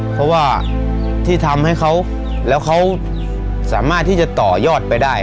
เพราะว่าที่ทำให้เขาแล้วเขาสามารถที่จะต่อยอดไปได้